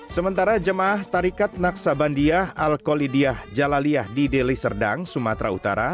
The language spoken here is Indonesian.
sementara jemaah tarikat naksabandia al kolidiyah jalaliyah di deli serdang sumatera utara